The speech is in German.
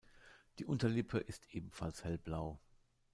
Die Unterlippe ist ebenfalls hellblau.